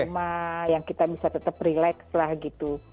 di rumah yang kita bisa tetap relax lah gitu